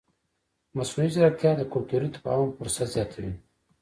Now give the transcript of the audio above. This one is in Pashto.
مصنوعي ځیرکتیا د کلتوري تفاهم فرصت زیاتوي.